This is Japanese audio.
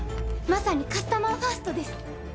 まさにカスタマーファーストです。